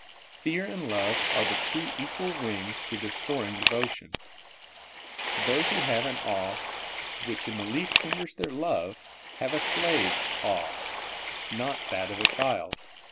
Fear and love are the two equal wings to this soaring devotion. Those who have an awe which in the least hinders their love, have a slave's aw^e, and not that of a child.